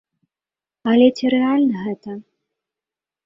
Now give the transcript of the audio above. Але ці рэальна гэта?